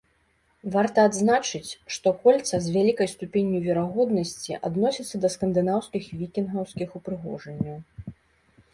Варта адзначыць, што кольца з вялікай ступенню верагоднасці адносіцца да скандынаўскіх вікінгаўскіх упрыгожанняў.